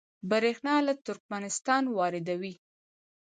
بریښنا له ترکمنستان واردوي